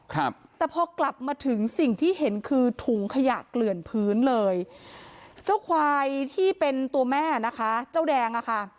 ครับแต่พอกลับมาถึงสิ่งที่เห็นคือถุงขยะเกลื่อนพื้นเลยเจ้าควายที่เป็นตัวแม่นะคะเจ้าแดงอ่ะค่ะ